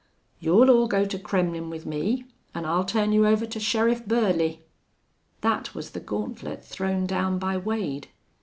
"You'll all go to Kremmlin' with me an' I'll turn you over to Sheriff Burley." That was the gauntlet thrown down by Wade.